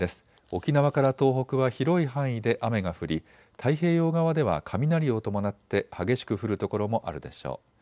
沖縄から東北は広い範囲で雨が降り、太平洋側では雷を伴って激しく降る所もあるでしょう。